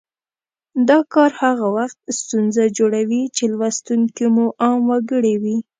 دا کار هغه وخت ستونزه جوړوي چې لوستونکي مو عام وګړي وي